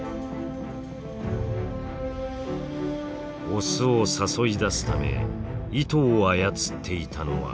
オスを誘い出すため糸を操っていたのはメス。